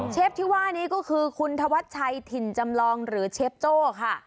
ที่ว่านี้ก็คือคุณธวัชชัยถิ่นจำลองหรือเชฟโจ้ค่ะ